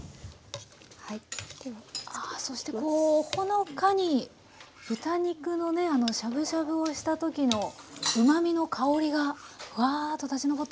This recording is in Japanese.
あそしてこうほのかに豚肉のねしゃぶしゃぶをしたときのうまみの香りがふわっと立ちのぼってますね。